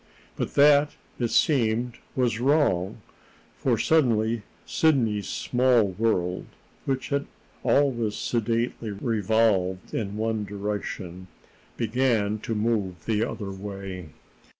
But that, it seemed, was wrong. For suddenly Sidney's small world, which had always sedately revolved in one direction, began to move the other way.